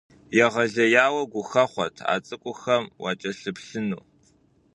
Егъэлеяуэ гухэхъуэт а цӏыкӏухэм уакӏэлъыплъыну!